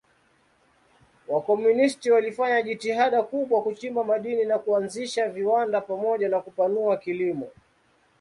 Wakomunisti walifanya jitihada kubwa kuchimba madini na kuanzisha viwanda pamoja na kupanua kilimo.